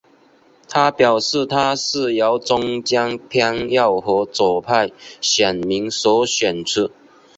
他表示他是由中间偏右和左派选民所选出。